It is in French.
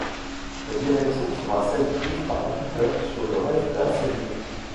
Cette direction sera celle prise par l'acteur sur le reste de la série.